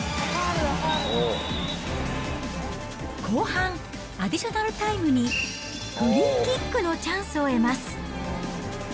後半、アディショナルタイムにフリーキックのチャンスを得ます。